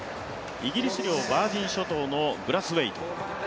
イギリス領バージン諸島のブラスウェイト。